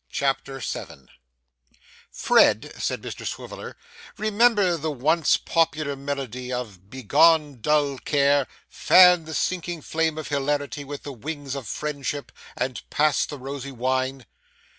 CHAPTER 7 'Fred,' said Mr Swiveller, 'remember the once popular melody of Begone dull care; fan the sinking flame of hilarity with the wing of friendship; and pass the rosy wine.